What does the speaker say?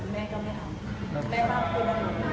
แม่ก็ไม่เอา